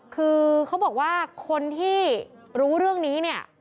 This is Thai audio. คือเขาบอกว่าคนที่รู้เรื่องนี้เนี่ย